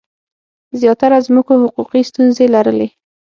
زیاتره ځمکو حقوقي ستونزې لرلې.